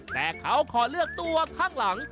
แต่เขาขอเลือกตัวข้างหลัง